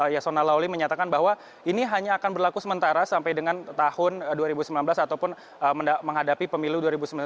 yasona lawli menyatakan bahwa ini hanya akan berlaku sementara sampai dengan tahun dua ribu sembilan belas ataupun menghadapi pemilu dua ribu sembilan belas